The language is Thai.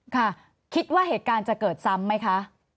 ค่ะคิดว่าเหตุการณ์จะเกิดซ้ำไหมคะ